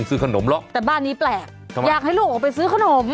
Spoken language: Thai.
แต่บ้านนี้แปลกอยากให้ลูกออกไปซื้อขนม